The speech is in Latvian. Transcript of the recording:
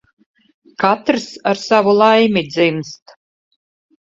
Katrs ar savu laimi dzimst.